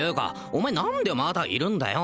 お前何でまだいるんだよ